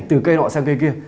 từ cây nọ sang cây kia